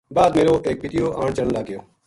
بعد میرو ایک پِتیو آن چلن لگ گیو